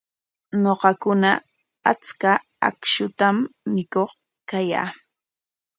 Ñuqakuna achka akshutam mikuq kayaa.